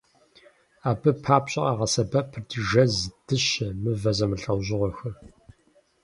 Абы папщӀэ къагъэсэбэпырт жэз, дыщэ, мывэ зэмылӀэужьыгъуэхэр.